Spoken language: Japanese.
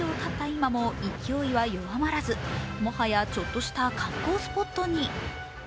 今も勢いは収まらず、もはやちょっとした観光スポットに。